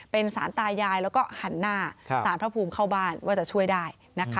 เป็นสารตายายแล้วก็หันหน้าสารพระภูมิเข้าบ้านว่าจะช่วยได้นะคะ